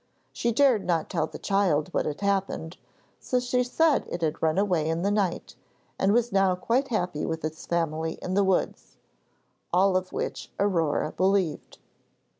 She dared not tell the child what had happened, so she said it had run away in the night, and was now quite happy with its family in the woods. All of which Aurore believed.